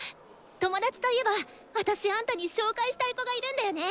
友達といえば私あんたに紹介したい子がいるんだよね！